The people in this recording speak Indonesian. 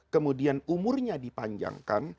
kemudian umurnya dipanjangkan